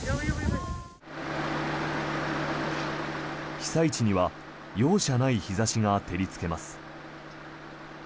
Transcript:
被災地には容赦ない日差しが照りつけます。